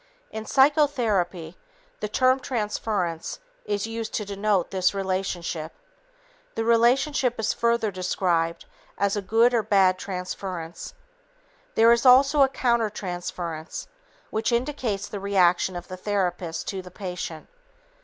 In psychotherapy, the term "transference" is used to denote this relationship. The relationship is further described as a good or bad transference. There is also a countertransference which indicates the reaction of the therapist to the patient.